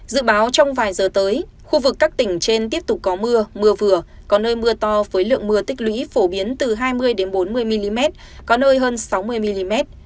dự báo trong vài giờ tới khu vực các tỉnh trên tiếp tục có mưa mưa vừa có nơi mưa to với lượng mưa tích lũy phổ biến từ hai mươi bốn mươi mm có nơi hơn sáu mươi mm